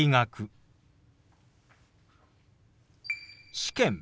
「試験」。